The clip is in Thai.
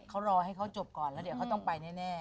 เขารอให้เขาจบก่อนแล้วเดี๋ยวเขาต้องไปแน่